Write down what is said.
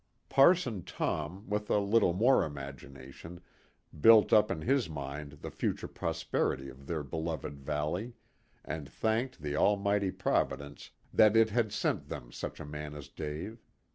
Parson Tom, with a little more imagination, built up in his mind the future prosperity of their beloved valley, and thanked the Almighty Providence that It had sent them such a man as Dave.